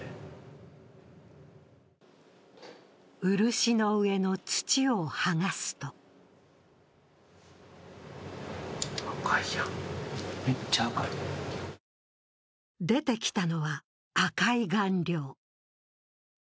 漆の上の土を剥がすと出てきたのは赤い顔料。